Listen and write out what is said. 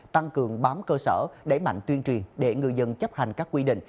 tăng cường bám cơ sở đẩy mạnh tuyên truyền để người dân chấp hành các quy định